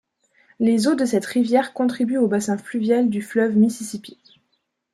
Les eaux de cette rivière contribuent au bassin fluvial du fleuve Mississippi.